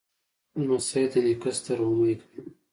لمسی د نیکه ستر امید وي.